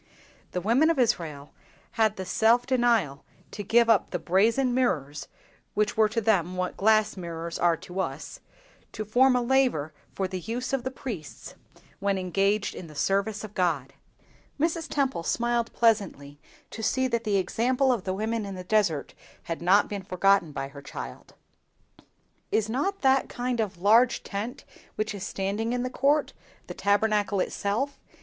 The women of Israel had the self denial to give up the brazen mirrors—which were to them what glass mirrors, are to us—to form a laver for the use of the priests when engaged in the service of God. Mrs. Temple smiled pleasantly to see that the example of the women in the desert had not been forgotten by her child. "Is not that kind of large tent which is standing in the court, the Tabernacle itself?"